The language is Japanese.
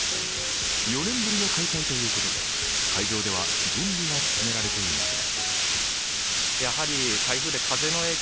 ４年ぶりの開催ということで、会場では準備が進められていました。